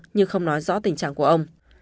nhưng không nói rõ tình trạng của ông